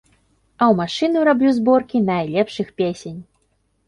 А ў машыну раблю зборкі найлепшых песень.